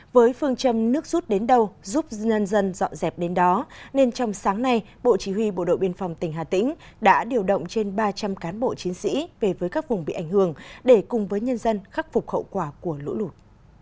với phương châm nước rút đến đâu giúp nhân dân dọn dẹp đến đó nên trong sáng nay bộ chỉ huy bộ đội biên phòng tỉnh hà tĩnh đã điều động trên ba trăm linh cán bộ chiến sĩ về với các vùng bị ảnh hưởng để cùng với nhân dân khắc phục hậu quả của lũ lụt